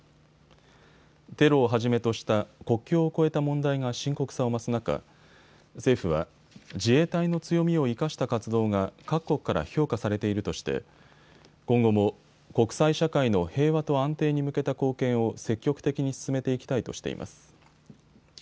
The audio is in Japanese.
テロをはじめとした国境を越えた問題が深刻さを増す中、政府は自衛隊の強みを生かした活動が各国から評価されているとして今後も国際社会の平和と安定に向けた貢献を積極的に進めていきたいとしています。